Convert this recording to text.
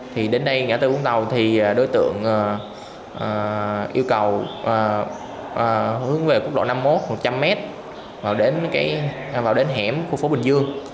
thì đến đây ngã tư vũng tàu thì đối tượng yêu cầu hướng về quốc lộ năm mươi một một trăm linh m vào đến hẻm khu phố bình dương